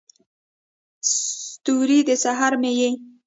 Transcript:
ستوری، د سحر مې یې